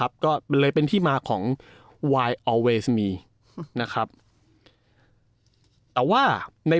ก็เลยเป็นที่มาของวายออเวสมีนะครับแต่ว่าใน